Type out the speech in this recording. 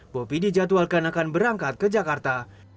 bopi dijadwalkan akan berangkat ke jakarta